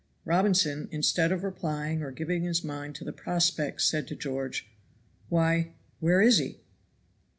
Robinson, instead of replying or giving his mind to the prospect said to George, "Why, where is he?"